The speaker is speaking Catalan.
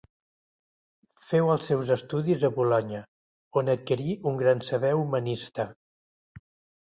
Féu els seus estudis a Bolonya, on adquirí un gran saber humanista.